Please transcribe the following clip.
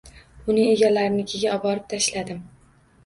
Uni egalarinikiga oborib tashladim.